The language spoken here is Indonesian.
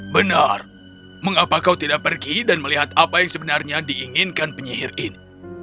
benar mengapa kau tidak pergi dan melihat apa yang sebenarnya diinginkan penyihir ini